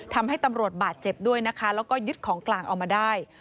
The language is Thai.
ทำให้ตำรวจบาดเจ็บด้วยนะคะแล้วก็ยึดของกลางเอามาได้